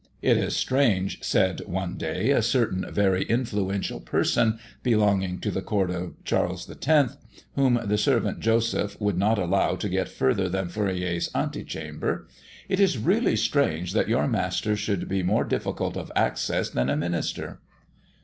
"It is strange," said, one day, a certain very influential person belonging to the court of Charles X., whom the servant, Joseph, would not allow to get further than Fourier's ante chamber "it is really strange that your master should be more difficult of access than a minister."